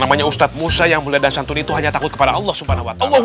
namanya ustadz musa yang membeli dan santun itu hanya takut kepada allah subhanahu wa ta'ala